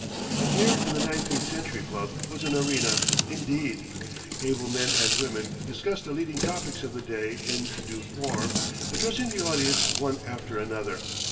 Here in the Nineteenth Century Club was an arena, indeed. Able men and women discussed the leading topics of the day in due form, addressing the audience one after another.